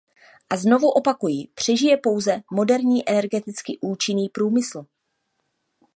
A znovu opakuji, přežije pouze moderní energeticky účinný průmysl.